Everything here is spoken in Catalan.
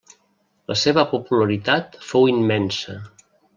La seva popularitat fou immensa.